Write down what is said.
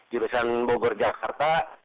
jurusan bogor jakarta